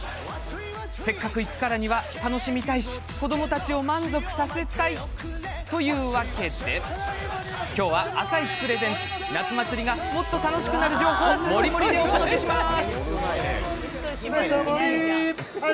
せっかく行くからには楽しみたいし子どもたちを満足させたいというわけで今日は「あさイチ」プレゼンツ夏祭りがもっと楽しくなる情報もりもりでお届けします。